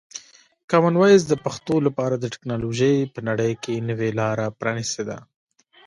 کامن وایس د پښتو لپاره د ټکنالوژۍ په نړۍ کې نوې لاره پرانیستې ده.